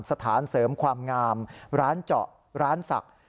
สถานเสริมความงามร้านเจาะร้านศักดิ์